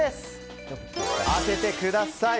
当ててください。